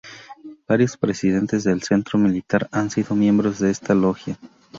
Varios presidentes del Centro Militar han sido miembros de esta logia.